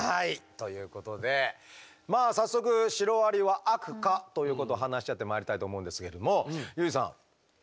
ということで早速シロアリは悪かということを話し合ってまいりたいと思うんですけどもユージさんヴィランシロアリさん